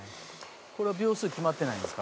「これは秒数決まってないんですか？